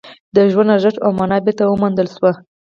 د ژوند ارزښت او مانا بېرته وموندل شوه